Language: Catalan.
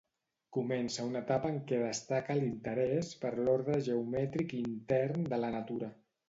Comença una etapa en què destaca l'interès per l'ordre geomètric i intern de la natura.